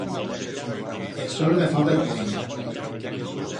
El sol me fa vergüenya.